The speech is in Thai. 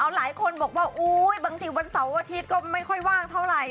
หลายคนบอกว่าอุ๊ยบางทีวันเสาร์อาทิตย์ก็ไม่ค่อยว่างเท่าไหร่